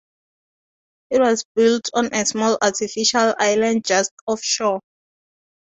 It was built on a small artificial island just off shore.